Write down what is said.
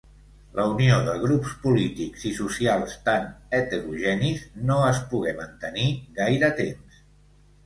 La unió de grups polítics i socials tan heterogenis no es pogué mantenir gaire temps.